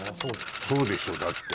そうでしょだって。